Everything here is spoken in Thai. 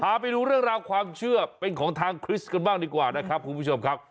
พาไปดูเรื่องราวความเชื่อเป็นของทางคริสต์กันบ้างดีกว่านะครับคุณผู้ชมครับ